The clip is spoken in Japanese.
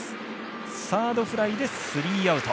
サードフライでスリーアウト。